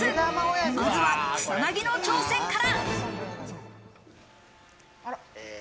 まずは草薙の挑戦から。